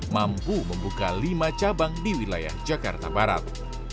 mampu membuka lima cabang di wilayah jakarta barat